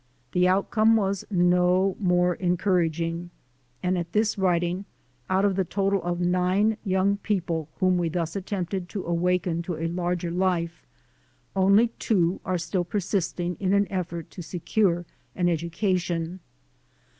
The outcome was no more encouraging, and at this writ ing, out of a total of nine young people whom we thus attempted to awaken to a larger life, only two are still persisting in an effort to secure an educa tion.